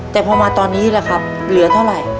แต่พอมาตอนนี้ล่ะครับเหลือเท่าไหร่